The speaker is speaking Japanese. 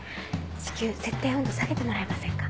至急設定温度下げてもらえませんか。